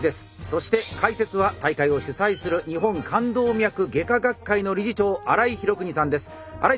そして解説は大会を主催する日本冠動脈外科学会の理事長荒井裕国さんです。